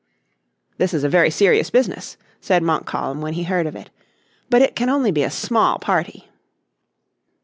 "This is a very serious business," said Montcalm when he heard of it, "but it can only be a small party."